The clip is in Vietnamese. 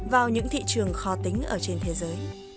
vào những thị trường khó tính ở trên thế giới